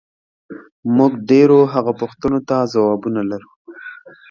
موږ ډېرو هغو پوښتنو ته ځوابونه لرو،